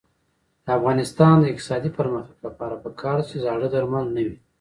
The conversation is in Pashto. د افغانستان د اقتصادي پرمختګ لپاره پکار ده چې زاړه درمل نه وي.